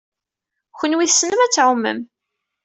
Kenwi tessnem ad tɛumem.